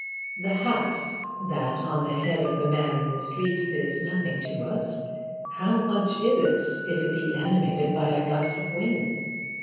The hat that on the head of the man in the street is nothing to us, how much it is if it be animated by a gust of wind!